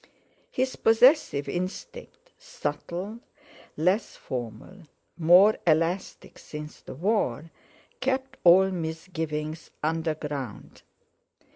His possessive instinct, subtle, less formal, more elastic since the War, kept all misgiving underground.